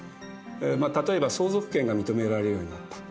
例えば相続権が認められるようになった。